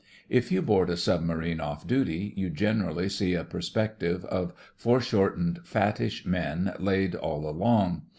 If you board a submarine off duty you generally see a perspective of fore shortened fattish men laid all along.